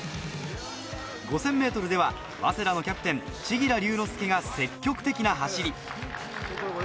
５０００ｍでは早稲田のキャプテン・千明龍之佑が積極的な走り。